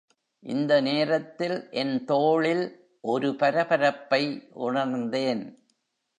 இந்த நேரத்தில் என் தோளில் ஒரு பரபரப்பை உணர்ந்தேன்.